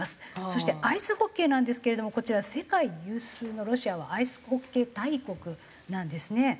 そしてアイスホッケーなんですけれどもこちらは世界有数のロシアはアイスホッケー大国なんですね。